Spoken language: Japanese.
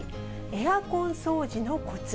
エアコン掃除のこつ。